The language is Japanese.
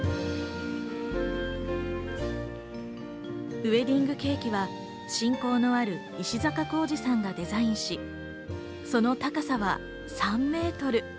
ウエディングケーキは親交のある石坂浩二さんがデザインし、その高さは３メートル。